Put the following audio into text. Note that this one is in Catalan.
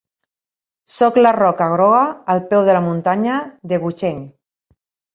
Sóc la roca groga al peu de la muntanya de Gucheng.